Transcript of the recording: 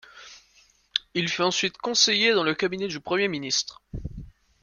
Il fut ensuite conseiller dans le cabinet du premier ministre.